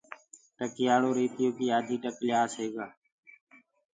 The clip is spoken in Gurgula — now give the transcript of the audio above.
ٽڪيآݪِو ريتيو ڪي آڌي ٽڪ ليآسي